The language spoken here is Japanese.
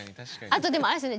あとでもあれですね